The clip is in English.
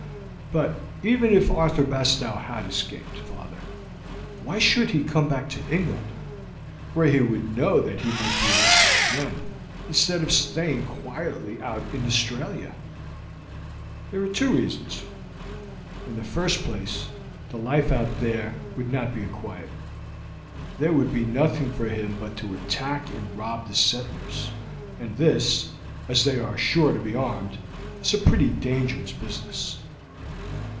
"But even if Arthur Bastow had escaped, father, why should he come back to England, where he would know that he might be arrested again, instead of staying quietly out in Australia?" "There are two reasons. In the first place the life out there would not be a quiet one; there would be nothing for him but to attack and rob the settlers, and this, as they are sure to be armed, is a pretty dangerous business.